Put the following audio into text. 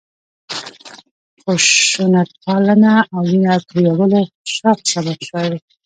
خشونتپالنه او وینه تویولو شوق سبب شوی.